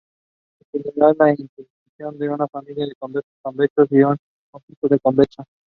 It is now known as Monte Villa Inn.